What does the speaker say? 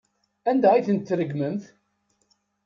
Anda ay tent-tregmemt?